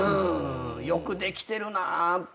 よくできてるなって。